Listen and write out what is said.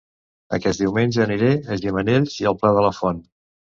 Aquest diumenge aniré a Gimenells i el Pla de la Font